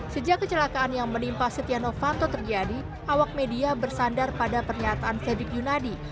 sejak kecelakaan yang menimpa setia novanto terjadi awak media bersandar pada pernyataan fredrik yunadi